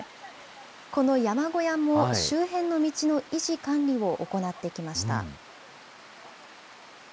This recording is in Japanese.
この山小屋も周辺の道の維持・管理を行ってきました。